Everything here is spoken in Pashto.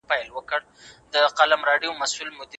د لويي جرګې غړي د خپلو ولایتونو په اړه څه وایي؟